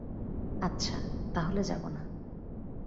আচ্ছা, তা হলে যাব না।